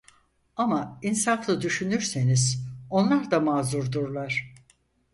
Ama insaflı düşünürseniz onlar da mazurdurlar.